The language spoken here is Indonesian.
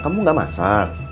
kamu nggak masak